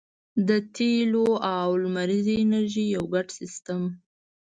د تیلو او لمریزې انرژۍ یو ګډ سیستم